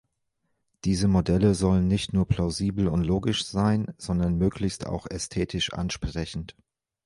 Diese Modelle sollen nicht nur plausibel und logisch sein, sondern möglichst auch ästhetisch ansprechend.